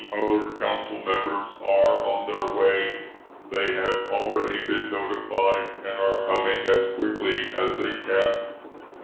"The other Council Members are on their way. They have already been notified and are coming as quickly as they can.